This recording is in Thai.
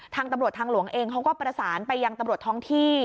ทางตำรวจทางหลวงเองเขาก็ประสานไปยังตำรวจท้องที่